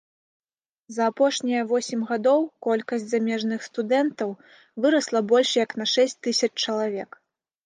За апошнія восем гадоў колькасць замежных студэнтаў вырасла больш як на шэсць тысяч чалавек.